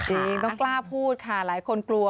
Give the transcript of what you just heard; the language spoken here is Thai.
ต้องกล้าพูดค่ะหลายคนกลัว